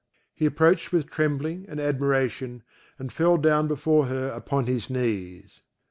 He approached with trembling and admiration, and fell down before her upon his knees.